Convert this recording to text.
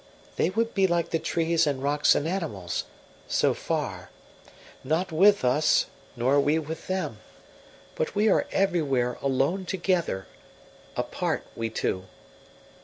They would be like the trees and rocks and animals so far! Not with us nor we with them. But we are everywhere alone together, apart we two.